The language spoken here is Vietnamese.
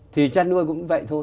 thì chăn nuôi cũng vậy thôi